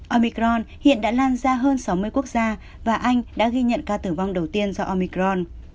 omicron hiện đã lan ra hơn sáu mươi quốc gia và anh đã ghi nhận ca tử vong đầu tiên do omicron